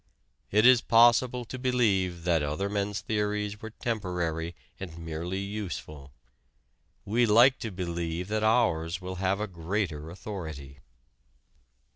It is possible to believe that other men's theories were temporary and merely useful; we like to believe that ours will have a greater authority.